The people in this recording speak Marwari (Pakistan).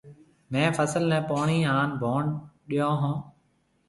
ميه فصل نَي پوڻِي هانَ ڀوڻ ڏئيو هون۔